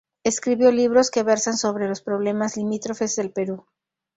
Escribió libros que versan sobre los problemas limítrofes del Perú.